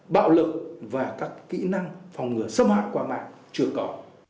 bạo lực và các kỹ năng phòng ngừa xâm hại qua mạng chưa có